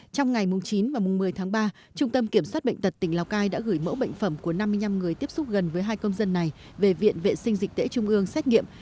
trong ngày chín và một mươi tháng ba trung tâm kiểm soát bệnh tật tỉnh lào cai đã gửi mẫu bệnh phẩm của năm mươi năm người tiếp xúc gần với hai công dân này về viện vệ sinh dịch tễ trung ương xét nghiệm